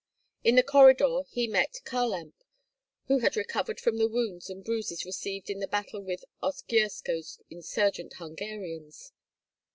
In the corridor he met Kharlamp, who had recovered from the wounds and bruises received in the battle with Oskyerko's insurgent Hungarians.